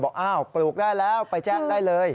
อ้าวปลูกได้แล้วไปแจ้งได้เลย